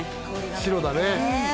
白だね